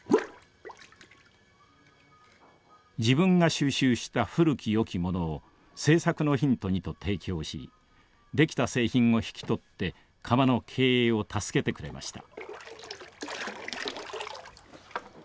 自分が収集した古き良きものを制作のヒントにと提供しできた製品を引き取って窯の経営を助けてくれました。